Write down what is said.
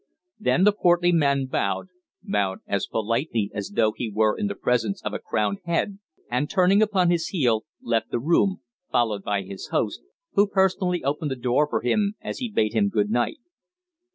Then the portly man bowed bowed as politely as though he were in the presence of a crowned head and, turning upon his heel, left the room, followed by his host, who personally opened the door for him as he bade him good night.